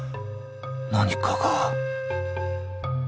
何かが］